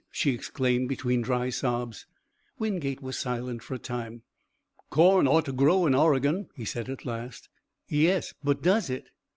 she exclaimed between dry sobs. Wingate was silent for a time. "Corn ought to grow in Oregon," he said at last. "Yes, but does it?"